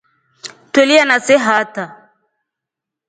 Twelilyana see hata.